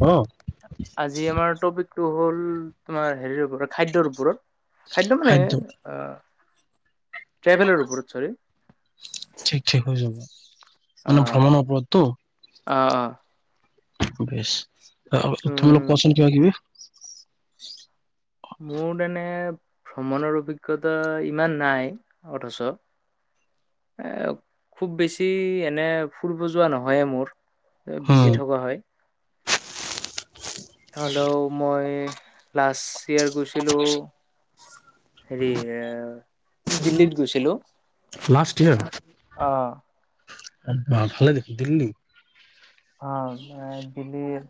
উম। আজি আমাৰ টপিকটো হ'ল তোমাৰ হেৰি ওপৰত। খাদ্যৰ ওপৰত খাদ্য মানে ট্ৰেভেলৰ ওপৰত চৰি। ঠিক ঠিক হৈ যাব মানে ভ্ৰমণৰ ওপৰতটো। অ অ। তুমা উম লোক কোৱাচোন কিবা কিবি। মোৰ তেনে ভ্ৰমণৰ অভিজ্ঞতা ইমান নাই অথচ। এ খুব বেছি এনে ফুৰিব যোৱা নহয়ে মোৰ। এ বিজি উম থকা হয়। হেলেও মই লাষ্ট ইয়েৰ গৈছিলোঁ। হেৰি এ দিল্লীত গৈছিলোঁ। লাষ্ট ইয়াৰ ভালে দেখি দিল্লী। অ দিল্লীৰ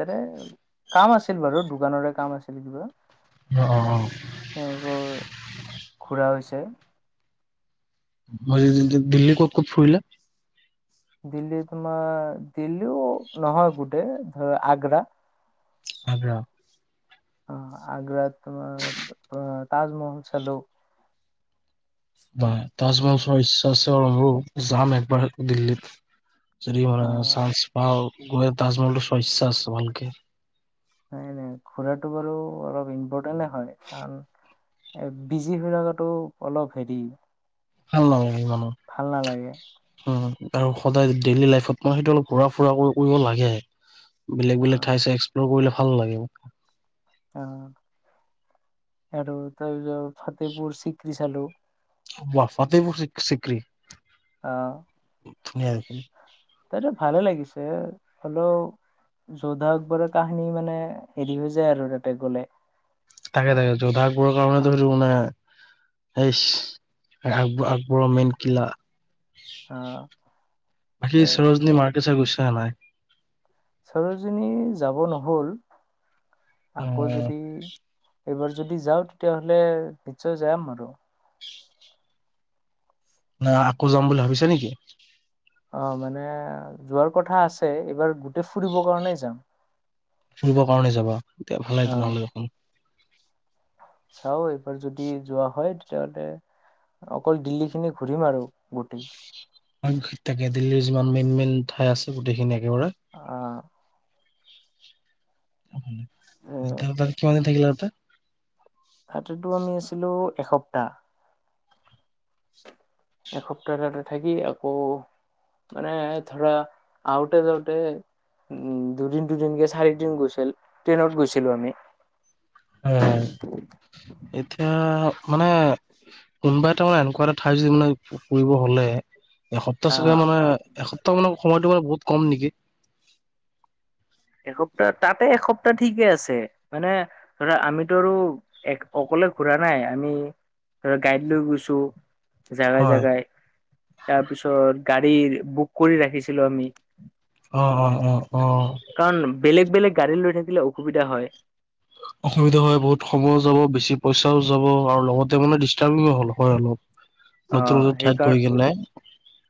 তাতে। কাম আছিল বাৰু দোকানৰে কাম আছিল কিবা। অ অ অ। এইবোৰ ঘুৰা হৈছে। হৈছে যদি দিল্লী ক'ত ক'ত ফুৰিলা। দিল্লী তোমাৰ দিল্লীও নহয় গোটেই আগ্ৰা। আগ্ৰা। অ আগ্ৰাত তোমাৰ তাজমহল চালো। বাহ তাজমহল চোৱাৰ ইচ্ছা আছে বাৰু যাম একবাৰ দিল্লীত। যদি হয় অ চাঞ্চ পাওঁ গৈ তাজমহলটো ইচ্ছা আছে ভালকে। নাই নাই ঘুৰাটো বাৰু অলপ ইম্পৰ্টেণ্টে হয় কাৰণ। এ বিজি হৈ লগাতো অলপ হেৰি ভাল ভাল নালাগে। অ তাৰ সদায় ডেইলি লাইফত মই সেইটো। ঘোৰা ফুৰা কৰিব লাগে বেলেগ অ বেলেগ ঠাই চ এক্সপ্ল'ৰ কৰিলে ভাল লাগে। অ আৰু তাৰপিছত ফাতেহপুৰ চিকৰি চালো। ওৱাহ তাতে তাতে মোৰ চিক চিক্ৰী। আহ ধুনীয়া দেখোন এইটো ভালে লাগিছে হ'লেও। যৌধা আকবৰৰ কাহিনী মানে হেৰি হৈ যায় আৰু তাতে গ'লে। থাকে থাকে যৌধা আকবৰৰ কাৰণে ধৰি মানে এইচ আক-আকবৰৰ মেইন কিলা। আহ বাকী এ চৰোজনী মাৰ্কেট চা গৈছ নে নাই? শ্বৰজনী যাব নহ'ল আকৌ উম, যদি এইবাৰ যদি যাওঁ তেতিয়াহ'লে নিশ্চয় যাম আৰু। না আকৌ যাম বুলি ভাবিছা নেকি? অ', মানে যোৱাৰ কথা আছে এইবাৰ গোট ফুৰিবৰ কাৰণে যাম ফুৰিবৰ কাৰণে যাবা তেতিয়া ভালে অ'। তেনেহ'লে দেখোন। চাওঁ এইবাৰ যদি যোৱা হয় তেতিয়াহ'লে অকল দিল্লীখিনি ঘূৰিম আৰু গোটেই। তাকে দিল্লীৰ যিমান মেইন মেইন ঠাই আছে গোটেইখিনি একেবাৰে। অ'। এ তাত কিমান দিন থাকিলা তাতে? তাতেতো আমি আছিলো এসপ্তাহ। এসপ্তাহ তাতে থাকি আকৌ মানে ধৰা আহোতে যাওঁতে উম, দুদিন দুদিন কে চাৰিদিন গৈছিল ট্ৰেইনত গৈছিলো আমি। হয়, এতিয়া মানে কোনোবা এটাৰ মানে এনেকুৱা এটা ঠাই যদি মানে ফুৰিব হ'লে এসপ্তাহ চালে আহ মানে এসপ্তাহ মানৰ সময়টো মানে বহুত কম নেকি। এসপ্তাহ তাতে এসপ্তাহ ঠিকে আছে। মানে ধৰা আমিতো আৰু এক অকলে ঘুৰা নাই। আমি গাইড লৈ গৈছো। জেগাই হয়, জেগাই তাৰপিছত গাড়ীৰ বুক কৰি ৰাখিছিলো আমি। অ', অ', অ', অ'। কাৰণ বেলেগ বেলেগ গাড়ী লৈ থাকিলে অসুবিধা হয়। অসুবিধা হয় বহুত সময়ো যাব বেছি পইচাও যাব আৰু লগতে মানে ডিষ্টাৰ্বিং হ'ল হয় অলপ। অ নতুন নতুন ঠাইত সেইকাৰ গৈ কেনে।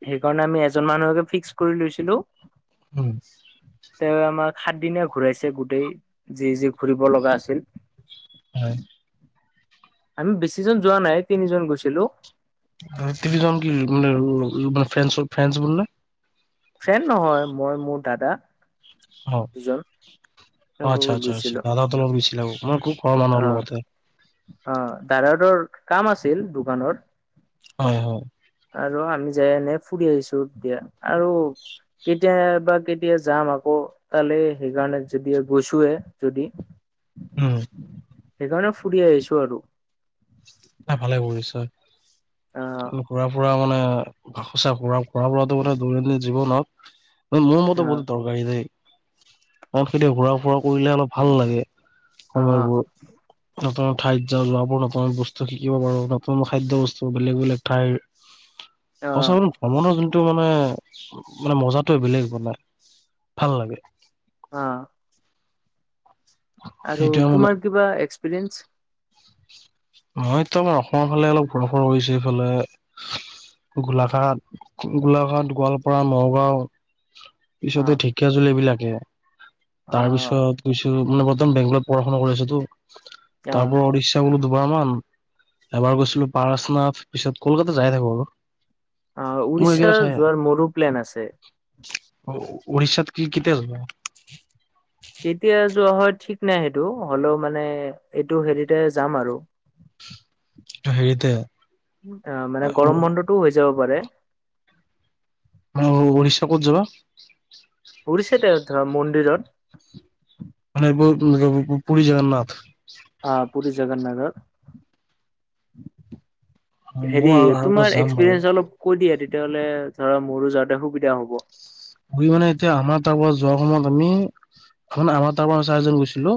সেইকাৰণে আমি এজন মানুহকে ফিক্স কৰি লৈছিলো। উম। তেওঁৱে আমাৰ সাত দিনীয়া ঘূৰাইছে গোটেই যি যি ঘূৰিব লগা আছিল। হয়। আমি বেছিজন যোৱা নাই তিনিজন গৈছিলো। আৰু তিনিজন কি মানে [unintelligible] ফ্ৰেন্স ফ্ৰেন্স [unintelligible] ফ্ৰেণ্ড নহয় মই মোৰ দাদা। অ', দুজন তেওঁলোকৰ আচ্ছা আচ্ছা আচ্ছা গৈছিলো দাদাহঁতৰ লগত গৈছিলা। মই আকৌ ঘৰৰ অ মানুহৰ লগতহে। অ', দাদাহতঁৰ কাম আছিল দোকানত। অ', হ। আৰু আমি যায় এনে ফুৰি আহিছো তেতিয়া আৰু কেতিয়া বা কেতিয়া যাম আকৌ। তালে সেইকাৰণে যদি গৈছোৱে যদি। উম। সেইকাৰণে ফুৰি আহিছো আৰু। নাই ভালে কৰিছা অ ঘূৰা ফুৰা মানে সচাঁ ঘূৰা ফুৰাটো দৈনন্দিন জীৱনত নহয় মোৰ মতে অ বহুত দৰকাৰী দেই। কাৰণ সেইটোৱে ঘূৰা ফুৰা কৰিলে অলপ ভাল লাগে অ সময়বোৰ। ক'ত ঠাইত যে উলাব নাপাওঁ বচ। শিকিব পাৰো নতুন খাদ্য বস্তু বেলেগ বেলেগ ঠাইৰ অ সছাঁ ভ্ৰমণৰ যে। এইটো মানে মানে মজাতো বেলেগ বনাই ভাল লাগে। অ। আৰু সেইটোৱে মানে তোমাৰ কিবা এক্সপিৰিয়েন্ঞ্চ। নহয় এইটো আমাৰ অসমৰ ফালে অলপ বৰষুণ হৈছে এইফালে। গোলাঘাট গোলাঘাট গোৱালপাৰা নগাঁও। অ পিছত ঢেঁকীয়া জলী এই বিলাকে অ তাৰ পিছত গৈছো মানে। একদম বেংগলত পঢ়া শুনা কৰি আছটো তাৰ পৰা উৰিশ। এ বোলো দুবাৰ মান এবাৰ গৈছিলো পাৰনাথ পিছত কলকাতাযাই থাকো আৰু। অ মোৰ উৰিষ্যা এইকেইটা ঠাই যোৱাৰ মোৰো প্লেন আছে। অ উৰিষ্যাত কি কি তেল। কেতিয়া যোৱা হয় ঠিক নাই সেইটো হলেও মানে এইটো হেৰিতে যাম আৰু। হেৰিতে। অ মানে গৰম বন্ধতটোও হৈ যাব পাৰে। অ উৰিষ্যা ক'ত যাবা। উৰিষ্যাতে এ ধৰা মন্দিৰত। মানে পুৰী জগন্নাথ। অ পুৰী জগন্নাথৰ। মই হেৰি আৰু তোমাৰ যাম বাৰু এক্সপিৰিয়েঞ্চ অলপ কৈ দিয়া তেতিয়াহলে ধৰা মোৰো যাওঁতে সুবিধা হ'ব। পুৰী মানে এতিয়া আমাৰ তাৰ পৰা যোৱাৰ সময়ত আমি এখন আমাৰ তাৰ পৰাচাৰিজন গৈছিলো।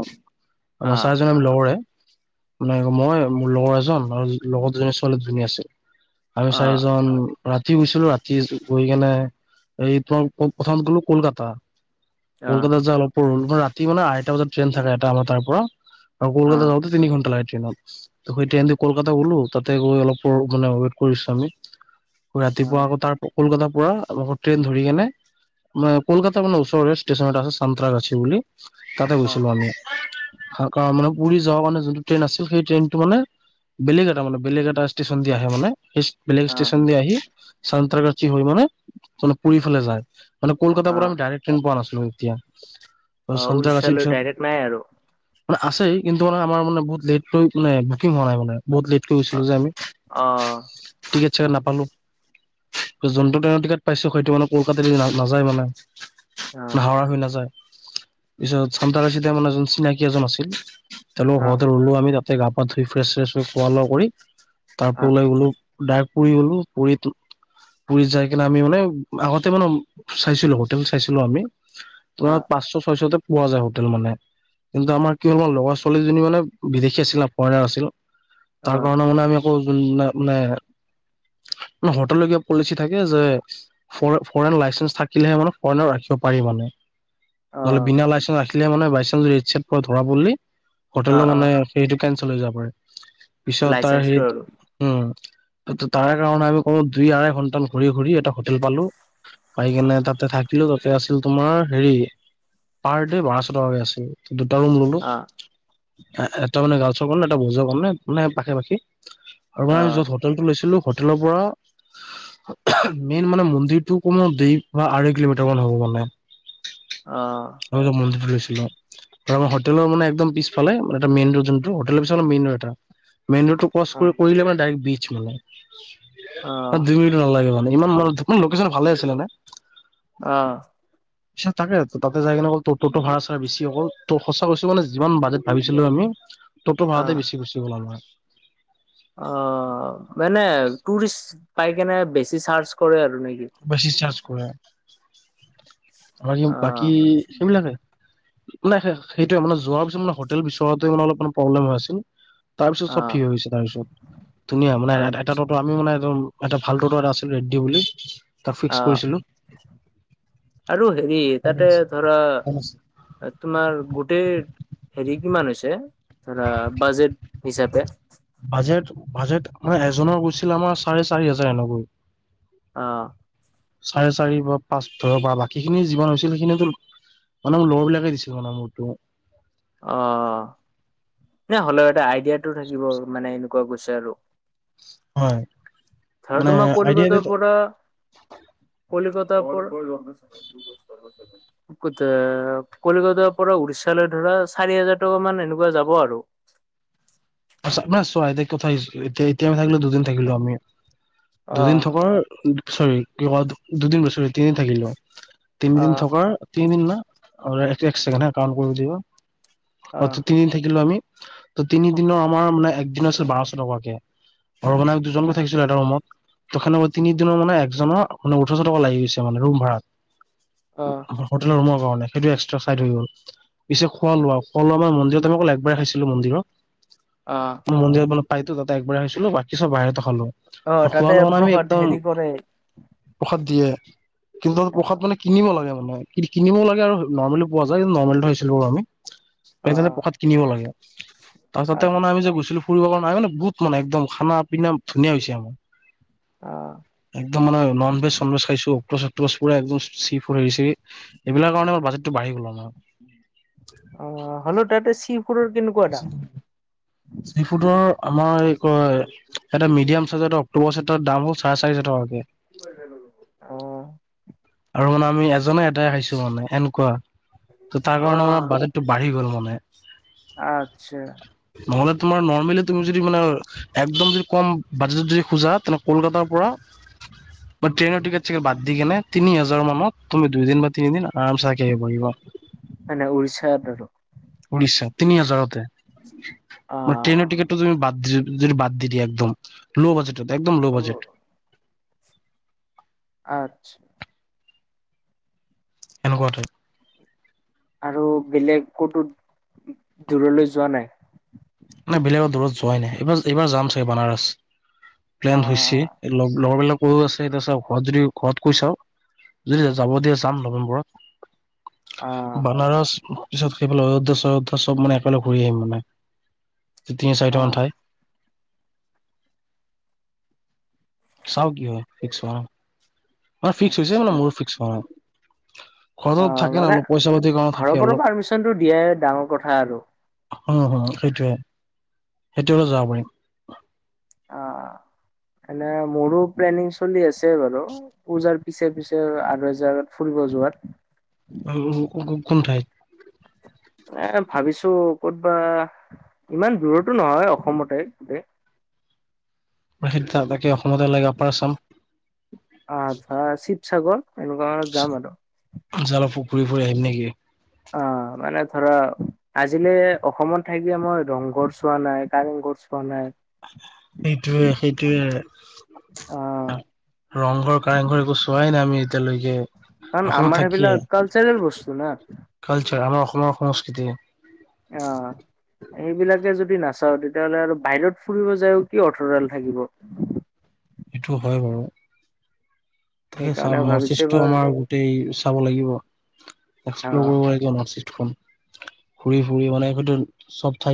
আমাৰ আহ চাৰিজন আমি লগৰে। মানে মই মোৰ লগৰ এজন আৰু লগৰ দুজনী ছোৱালী দুজনী আছে। আমি আহ চাৰিজন ৰাতি গুছিলো ৰাতি গৈ কেনে এই তোমাক। প্ৰথম গলো কলকাতা আহ কলকাতাত যা অলপ। ৰাতি মানে আঠটা বজাত ট্ৰেইন থাকে এটা আমাৰ তাৰ পৰা। অ কলকাতা আহ যাওঁতে তিনি ঘণ্টা লাগে ট্ৰেইনত। সেই ট্ৰেইন দি কলকাতা গ'লো তাতে গৈ অলপ ৰ্ক মানে ৱেট কৰিছো আমি। ৰাতিপুৱা আকৌ তাৰ কলকাতাৰ পৰা আকৌ ট্ৰেইন ধৰি কেনে। মা কলকাতাৰ মানে ওচৰৰে ষ্টেচন এটা আছে সাঁতৰাগাছি বুলি তাতে আহ আহ গৈছিলো আমি। হাকা মানে পুৰী যোৱা কাৰণে যোনটো ট্ৰেইন আছিল সেই ট্ৰেইনটো মানে। বেলেগ এটা মানে বেলেগ এটা ষ্টেচন দি আহে মানে। সেই বেলেগ আহ ষ্টেচন দি আহি সাঁতৰাগাছি হৈ মানে মানে পুৰী ফালে যায়। মানে কলকাতাৰ পৰা আহ আমি ডাইৰেক্ট ট্ৰেইন পোৱা নাছিলো এতিয়া। অ চান্ত্ৰাগাছিৰ উৰিষ্যালৈ পিছত ডাইৰেক্ট নাই আৰু। মানে আছে কিন্তু মানে আমাৰা মানে বহুত লেট কৈ মানে বুকিং হোৱা নাই মানে। বহুত লেট কৈ অ গৈছিলো যে আমি। অ টিকেট চিকেট নাপালো যোনটো ট্ৰেইনৰ টিকেট পাইছো সেইটো মানে কলকাতা দি না নাযায় মানে। অ হাৱৰা হৈ নাযায় পিছত সাঁতৰাগাছিতে মানে যোন চিনাকি এজন আছিল। তেওঁলোকৰ অ ঘৰতে ৰ'লো আমি তাতে গা পা ধুই ফ্ৰেছ শ্ৰেছ হৈ খোৱা লোৱা কৰি তাৰ অ পৰা ওলাই গ'লো। ডাইৰেক্ট পুৰী গ'লো পুৰীত পুৰীত যাই কিনে আমি মানে আগত। তে মানে চাইছিলো হোটেল চাইছিলো আমি অ তোমাৰ পাঁচশ ছয়শতে। পোৱা যায় হোটেল মানে কিন্তু আমাৰ কি হ'ল লগৰ ছোৱালীজনী মানে বিদেশী আছিল না ফৰেনাৰ আছিল। অ তাৰ কাৰণে মানে আমি আকৌ। নাই মানে হোটেলৰ কিবা পলিচি থাকে যে ফৰে। ফৰেন লাইচেঞ্চ, থাকিলেহে মানে ফৰেনৰ ৰাখিব পাৰি মানে নহ'লে বিনা অ লাইচেঞ্চ ৰাখি দিলে মানে বাই চান্স ৰেট ছেপ পৰা ধৰা পৰিলে অ হোটেলৰ, অ মানে সেইটো কেঞ্চেল হৈ যাব পাৰে। পিছত তাৰ লাইচেন্সটো হেৰিত আৰু উম ত ত তাৰে কাৰণে আমি কমেও দুই আঢ়ৈ ঘন্টামান ঘূৰি -ঘূৰি এটা হোটেল, পালো। পাই কিনে তাতে থাকিলো তাতে আছিল তোমাৰ হেৰি পাৰ দে বাৰশ টকাকে আছিল। দুটা ৰুম ল'লো। অ এ এ এটা মানে ৰ্গালছৰ, কাৰণে এটা বইজৰ, কাৰণে মানে পাশে- পাশি আৰু মানে অ আমি য'ত হোটেলটো, লৈছিলো হোটেলৰ পৰা মেইন মানে মন্দিৰটো, কমেও দুই বা আঢ়ৈ কিলোমিটাৰ মান হ'ব মানে। অহ আমি যে মন্দিৰ, ফুৰিছিলোঁ। আৰু আমাৰ হোটেলৰ, মানে একদম পিছফালে মানে এটা মেইন ৰোড, যোনটো হোটেলৰ, পিছফালে মেইন ৰোড এটা মেইন ৰোডটো ক্ৰছ অ কৰি কৰিলে মানে ডাইৰেক্ট বিচ মানে তাত অ দুই মিনিটো নালাগে মানে। ইমান মানুহ তথাপি লোকেশন ভালে আছিলে নে। আহ পিছত তাকে তাতে যাই কিনে অকল টটো, ভাড়া- চাড়া বেছি অকল ত' সঁচা কৈছো মানে যিমান বাজেট ভাবিছিলো। আমি টটো, ভাড়াতে অ', বেছি গুচি গ'ল আমাৰ। আহ মানে টুৰিষ্ট, পাই কেনে বেছি চাৰ্জ কৰে আৰু নেকি। বেছি চাৰ্জ কৰে। আৰু বাকী অ', সেইবিলাকে মানে সে সেইটোৱে মানে যোৱাৰ। পিছত মানে হোটেল, বিচৰোতে মানে অলপমান প্ৰব্লেম হৈ আছিল। তাৰপিছত চব অ', ঠিক হৈ গৈছে তাৰপিছত ধুনীয়া মানে অ', এত এটা টটো, আমি মানে একদম এটা ভাল টটো এটা আছিল ৰেড্ডী, বুলি তাক ফিক্স অ', কৰিছিলো। আৰু হেৰি তাতে ধৰা আ তোমাৰ গোটেই হেৰি কিমান হৈছে ধৰা বাজেট হিচাপে বাজেট -বাজেট মানে এজনৰ গৈছিল আমাৰ চাৰে চাৰি হাজাৰ এনেকৈ। অহ চাৰে চাৰি বা পাঁচ ধৰিব পৰা বাকীখিনি যিমান হৈছিল সেইখিনি তোৰ মানে মোৰ লগৰ বিলাকে দিছিল মানে মোৰতোও। অ নে হ'লেও এটা আইডিয়াটো থাকিব মানে এনে। কুৱা গৈছে আৰু হয় আৰু মানে তোমাৰ আইডিয়া কলিকতাৰ, পৰা কলিকতাৰ, পৰা [unintelligible] কথ কলিকতাৰ পৰা উৰিষ্যালৈ, ধৰা। চাৰি হাজাৰ, টকা মান এনেকুৱা যাব আৰু। তাৰপিছত নাই চোৱাই এতিয়া কথাই এতিয়া এতিয়া আমি থাকিলো দুদিন থাকিলো আমি দুদিন অ'। থকাৰ। চৰি লগত দুদিন নহয় ছৰি তিনিদিন থাকিলো। তিনিদিন অ', থকাৰ তিনিদিন ন ৰহ এক চেকেণ্ড হা কাম কৰি দিব। অ তিনিদিন থাকিলো আমি ত তিনি দিনৰ আমাৰ মানে একদিন আছিল বাৰশ, টকাকে ধৰ মানে দুজনকৈ অ', থাকিছিলো এটা ৰুমত তখেনে তিনিদিনৰ মানে একজনৰ মানে ওঠৰশ টকা লাগি গৈছে মানে ৰুম ভাড়াত। হোটেলৰ, ৰুমৰ কাৰণ সেইটো এক্সট্ৰা চাইদ হৈ গ'ল। পিছে খোৱা লোৱা খোৱা লোৱা আমাৰ মন্দিৰত আমি অকল একবাৰে খাইছিলো মন্দিৰত, [unintelligible] [inaudible] অ মই মন্দিৰ, মানে পাইতো তাতে একবাৰে খাইছিলো বাকী চব বাহিৰতে খালো। অ', আৰু খোৱা তাতে লোৱাত আমি প্ৰসাদ একদম- হেৰি কৰে প্ৰসাদ দিয়ে, কিন্তু আৰু অ', প্ৰসাদ মানে কিনিব লাগে মানে আমি। কিনিবও লাগে আৰু নৰ্মেলো পোৱা যায় নৰ্মেলটো খাইছিলো বাৰু আমি, সেইকাৰণে অ', প্ৰসাদ কিনিব লাগে। তাৰপিছতে মানে আচ্ছা আমি যে গৈছিলো ফুৰিব কাৰণে নাই মানে বহুত মানে একদম খানা পিনা ধুনীয়া হৈছে আমাৰ। অ', একদম মানে ননভেজ চনভেজ খাইছো। অক্টোপাছ চক্টোপাছ পুৰা একদম চি ফুড হেৰি চেৰি এইবিলাকৰ কাৰণে আমাৰ বাজেতটো বাঢ়ি গল আমাৰ। অঁ হলেও তাতে চি ফুডৰ কিন্তু- চি ফুডৰ আমাৰ এই কয় এটা মিডিয়াম চাইজৰ এটা অক- অক্টোপাছ এটাৰ দাম হল চাৰে চাৰি হাজাৰ টকাকে। অঁ' আৰু মানে আমি এজনে এটাই খাইছো মানে সেনকুৱা ত' তাৰ কাৰণে মানে বাজেট- টো বাঢ়ি গ'ল মানে। আৎচ্ছা। নহ'লে তোমাৰ নৰ্মেলি তুমি যদি মানে একদম যদি কম বাজেটত যদি খোজা তেনে কলকাতাৰ পৰা- [inaudible] বা ট্ৰেইনৰ টিকেট চিকেট বাদ দি কেনে তিনি হাজাৰৰ মানত তুমি দুই দিন বা তিনি দিন আ- আৰামচে থাকি আহিব পাৰিব। মানে উৰিষ্যাত আৰু উৰিষ্যা তিনি হাজাৰতে, মানে অ', ট্ৰেইনৰ টিকেট- টো যদি বাদ দি যদি বাদ দি দিয়া একদম ল' বাজেটত একদম ল' বাজেটট ত'- আত্ছ- এনেকুৱা টাইপ। আৰু বেলেগ ক'তো দূৰলৈ যোৱা নাই। মানে বেলেগৰ দূৰত যোৱাই নাই এইবাৰ এইবাৰ যাম চাগে বানাৰছ প্লেন হৈছে। অ', এই লগ লগৰবিলাক- কৈ আছে এতিয়া চাওঁ ঘৰত যদি ঘৰত কৈ চাওঁ, যদি যাব দিয়ে যাম নৱেম্বৰত। অ', বানাৰস পিছত সেইফালে অযোধ্যা চয়োধ্যা চব মানে একেলগে ঘূৰি আহিম মানে। তিনি চাৰিটা মান অ', ঠাই। চাওঁ কি হয় ফিক্স হোৱা নাই, মানে ফিক্স হৈছে মানে আচ্ছা মোৰ ফিক্স হোৱা নাই। ঘৰত অ', থাকে ন অলপ থাকে ন মানে অলপ পইচা পাতিৰ কাৰণে ঘৰৰ থাকে পৰা অলপ। পাৰ্মিচনটো দিয়াই ডাঙৰ কথা আৰু হুম, সেইটোৱে সেইটো হলে যাব পাৰিম। অঁ' এনে মোৰো প্লেনিং চলি আছে বাৰু। পূজাৰ পিছে পিছে আৰু এজেগাত ফুৰিব যোৱাত। অ' কোন কোন কোনঠাইত? এ ভাবিছো ক'তবা ইমান দূৰতো নহয়, অসমতে দে। প্ৰসিদ্ধ‌ লাগে অসমতে লাগে আপাৰ আচাম। আৎচ্ছা শিৱসাগৰ এনেকুৱা ফালে যাম আৰু। যাবা খুব ফুৰি ফুৰি আহিম নেকি? অঁ' মানে ধৰা, আজিলে অসমত থাকিও মই ৰংঘৰ চোৱা নাই, কাৰেংঘৰ চোৱা নাই। [inaudible] সেইটোৱে সেইটোৱে। অঁ' ৰংঘৰ, কাৰেংঘৰ এবোৰ চোৱাই নাই আমি এতিয়ালৈকে। কাৰণ, অসমত আমাৰ থাকিয়ে সেইবিলাক কালচাৰেল বস্তু নহয় না। কালচাৰ, আমাৰ অসমৰ সংস্কৃতি। অঁ'। সেইবিলাকে যদি নাচাওঁ, তেতিয়াহ'লে আৰু বাহিৰত ফুৰিবলৈ যায়ও কি অৰ্থডাল থাকিব? সেইটো হয় বাৰু, তাকে সেইকাৰণে চাওঁ ভাবিছো নৰ্থৱেষ্ট এবাৰ আমাৰ। গোটেই চাব লাগিব, আহ এক্সপ্ল'ৰ কৰিব লাগিব নৰ্থৱেষ্টখন। ঘুৰি-ফুৰি মানে সেইটো, চব ঠাই।